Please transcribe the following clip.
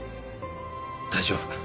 大丈夫。